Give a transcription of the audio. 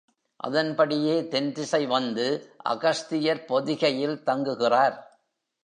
அதன்படியே தென் திசை வந்து அகஸ்தியர் பொதிகையில் தங்குகிறார்.